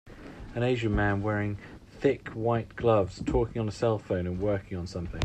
An Asian man wearing thick white gloves, talking on a cellphone, and working on something.